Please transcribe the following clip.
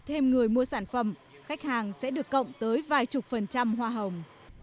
thêm người mua sản phẩm khách hàng sẽ được cộng tới vài chục phần trăm hoa hồng